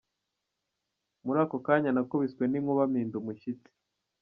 Muri ako kanya nakubiswe n’inkuba mpinda umushyitsi.